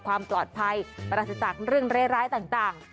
ความตอบใจประสุดจากเรื่องไร้ต่าง